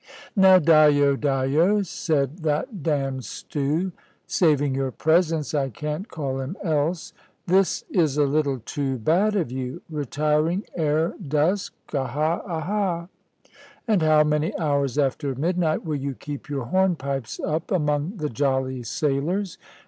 "Now, Dyo, Dyo," said that damned Stew [saving your presence, I can't call him else]; "this is a little too bad of you! Retiring ere dusk! Aha! aha! And how many hours after midnight will you keep your hornpipes up, among the 'jolly sailors!'